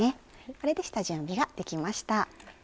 これで下準備ができました。